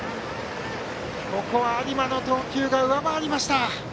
ここは有馬の投球が上回りました。